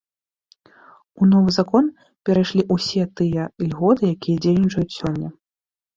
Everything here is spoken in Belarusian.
У новы закон перайшлі ўсе тыя ільготы, якія дзейнічаюць сёння.